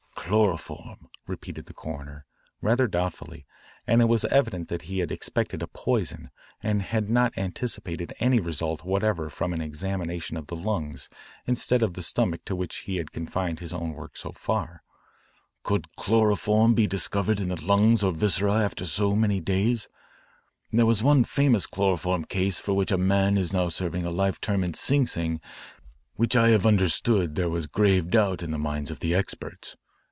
"Chloroform," repeated the coroner, rather doubtfully, and it was evident that he had expected a poison and had not anticipated any result whatever from an examination of the lungs instead of the stomach to which he had confined his own work so far. "Could chloroform be discovered in the lungs or viscera after so many days? There was one famous chloroform case for which a man is now serving a life term in Sing Sing which I have understood there was grave doubt in the minds of the experts.